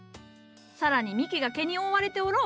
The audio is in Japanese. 更に幹が毛に覆われておろう。